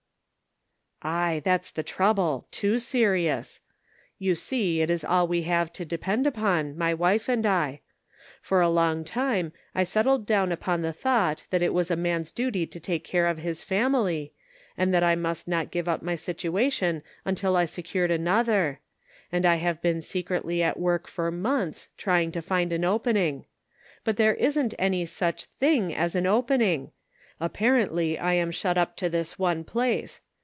" Aye, that's the trouble ; too serious. You see it is all we have to depend upon, my wife and I. For a long time I settled down upon the thought that it was a man's duty to take care of his family, and that I must not give up my situation until I secured another; and I have been secretly at work for months try ing to find an opening; but there isn't any such thing as an opening ; apparently I am shut up to this one place.